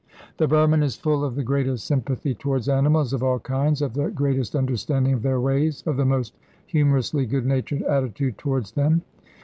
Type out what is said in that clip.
The Burman is full of the greatest sympathy towards animals of all kinds, of the greatest understanding of their ways, of the most humorously good natured attitude towards them.